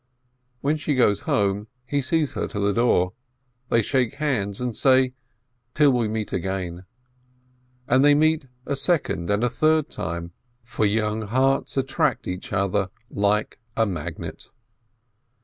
When she goes home, he sees her to the door, they shake hands and say, "Till we meet again !" And they meet a second and a third time, for young hearts attract each other like a magnet.